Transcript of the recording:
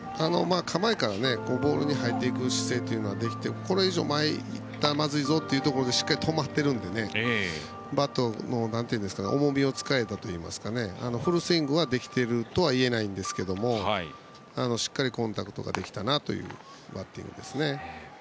構えからボールに入っていく姿勢ができてこれ以上前に行ったらまずいぞというところでしっかり止まっているのでバットの重みを使えたというかフルスイングができているとはいえないんですけどしっかりコンタクトできたなというバッティングですね。